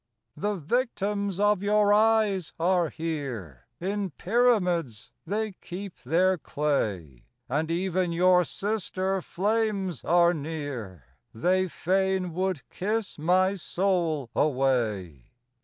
The victims of your eyes are here, In pyramids they keep their clay; And even your sister Flames are near, They fain would kiss my soul away.